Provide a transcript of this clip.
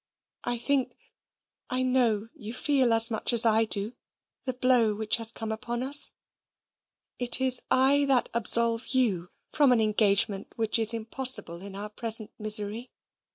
I think, I know you feel as much as I do the blow which has come upon us. It is I that absolve you from an engagement which is impossible in our present misery.